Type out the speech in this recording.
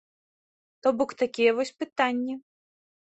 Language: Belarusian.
То бок, такія вось пытанні.